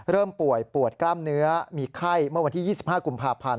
ป่วยปวดกล้ามเนื้อมีไข้เมื่อวันที่๒๕กุมภาพันธ์